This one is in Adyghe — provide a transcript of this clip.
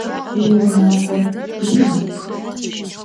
Vuiunağo yina?